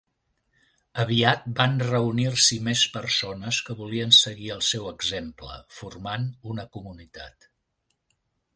Aviat van reunir-s'hi més persones que volien seguir el seu exemple, formant una comunitat.